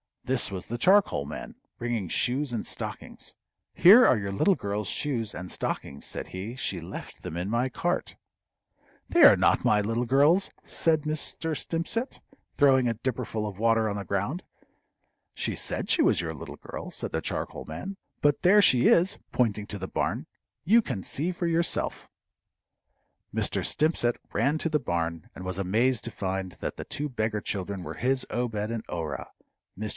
This was the charcoal man, bringing shoes and stockings. "Here are your little girl's shoes and stockings," said he. "She left them in my cart." "They are not my little girl's," said Mr. Stimpcett, throwing a dipperful of water on the ground. "She said she was your little girl," said the charcoal man. "But there she is" pointing to the barn; "you can see for yourself." Mr. Stimpcett ran to the barn, and was amazed to find that the two beggar children were his Obed and Orah. Mr.